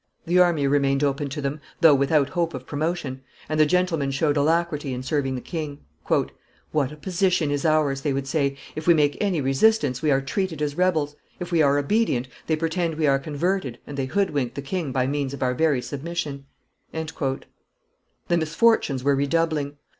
The army remained open to them, though without hope of promotion; and the gentlemen showed alacrity in serving the king. "What a position is ours!" they would say; if we make any resistance, we are treated as rebels; if we are obedient, they pretend we are converted, and they hoodwink the king by means of our very submission." [Illustration: The Torture of the Huguenots 552] The misfortunes were redoubling.